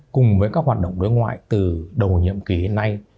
cùng với các hoạt động đối ngoại từ đầu nhiệm kỳ đến nay